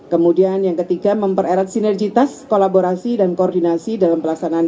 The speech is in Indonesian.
kemudian yang ketiga mempererat sinergitas kolaborasi dan koordinasi dalam pelaksanaan